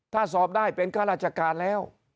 ถ้าสอบได้เป็นข้าราชการแล้ว